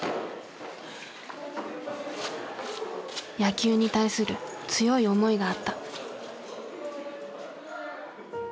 野球に対する強い思いがあった。